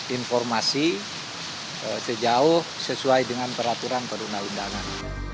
informasi sejauh sesuai dengan peraturan perundang undangan